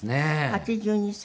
８２歳。